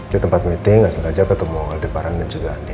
di tempat meeting nggak sengaja ketemu deparan dan juga andi